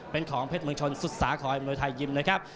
เป็นของเพชรเมืองชนสุดสาคอยมวยไทยยิมนะครับ